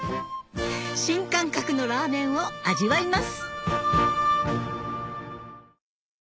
新感覚のラーメンを味わいます